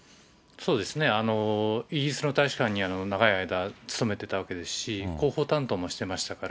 そうですね、イギリスの大使館に長い間、勤めてたわけですし、広報担当もしてましたから、